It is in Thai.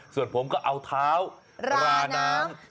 ส่วนผมก็เอาเท้าราน้ำ